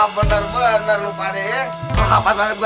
bener bener lupa deh apa apa